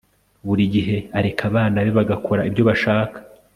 Buri gihe areka abana be bagakora ibyo bashaka